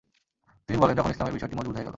তিনি বলেন, যখন ইসলামের বিষয়টি মজবুত হয়ে গেল।